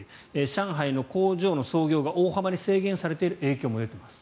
上海の工場の操業が大幅に制限されている影響が出ています。